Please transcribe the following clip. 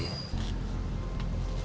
sebenarnya ada apa gerangan para datuk kemari